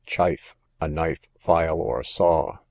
Chife, a knife, file, or saw.